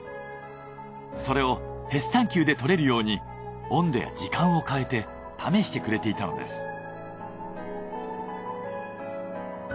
それをヘスタンキューで取れるように温度や時間を変えて試してくれていたのです。